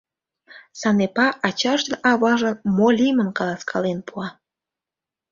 Санепа ачаж ден аважлан мо лиймым каласкален пуа.